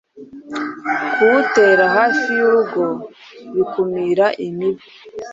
kuwutera hafi y’urugo bikumira imibu